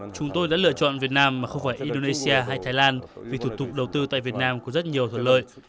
chúng tôi đã lựa chọn việt nam mà không phải indonesia hay thái lan vì thủ tục đầu tư tại việt nam có rất nhiều thuận lợi